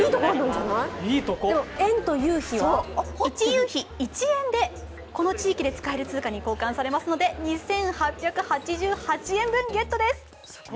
１ユーヒ＝１円でこの地域で使える通貨に交換されますので２８８８円分、ゲットです。